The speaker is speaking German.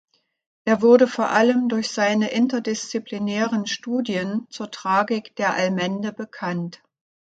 Er wurde vor allem durch seine interdisziplinären Studien zur Tragik der Allmende bekannt.